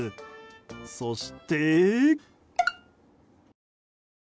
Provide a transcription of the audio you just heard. そして。